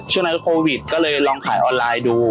ช่วงนั้นโควิดก็เลยลองขายออนไลน์ดู